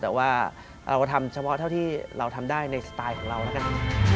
แต่ว่าเราก็ทำเฉพาะเท่าที่เราทำได้ในสไตล์ของเราแล้วกัน